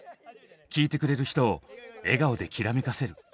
聴いてくれる人を笑顔できらめかせる。